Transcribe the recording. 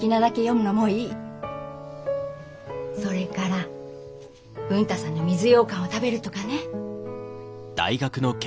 それから文太さんの水ようかんを食べるとかね。